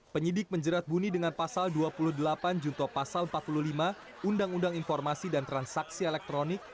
penyidik menjerat buni dengan pasal dua puluh delapan junto pasal empat puluh lima undang undang informasi dan transaksi elektronik